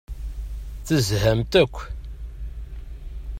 Tezhamt akk.